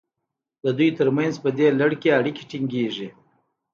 د دوی ترمنځ په دې لړ کې اړیکې ټینګیږي.